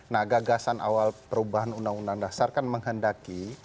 nah gagasan awal perubahan undang undang dasar kan menghendaki